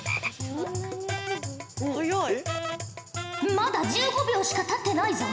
まだ１５秒しかたってないぞ。